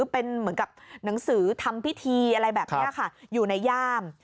เป็นเหมือนกับหนังสือทำพิธีอะไรแบบนี้ค่ะอยู่ในย่าม